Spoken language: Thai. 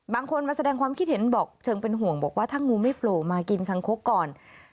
บางคนมาแสดงความคิดเห็นบอกเชิงเป็นห่วงบอกว่าถ้างูไม่โผล่มากินคังคกก่อน